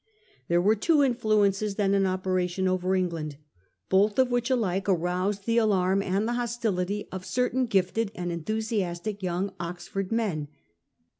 There were two infl uences then in operation over England, both of which alike aroused the alarm and the hostility of certain gifted and enthusiastic young Oxford men.